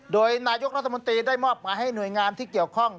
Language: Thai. โดยนายกรัฐมนตรีได้มอบหมายให้หน่วยงานที่เกี่ยวข้อง